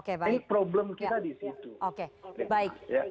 ini problem kita di situ